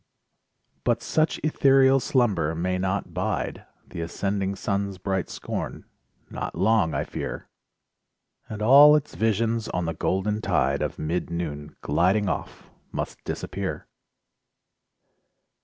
But such ethereal slumber may not bide The ascending sun's bright scorn not long, I fear; And all its visions on the golden tide Of mid noon gliding off, must disappear.